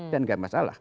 dan tidak masalah